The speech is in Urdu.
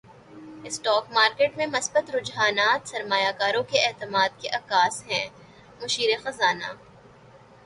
اسٹاک مارکیٹ میں مثبت رجحانات سرماریہ کاروں کے اعتماد کے عکاس ہیں مشیر خزانہ